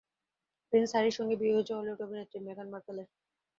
Prince হ্যারির সঙ্গে বিয়ে হয়েছে হলিউড অভিনেত্রী মেগান মার্কেলের।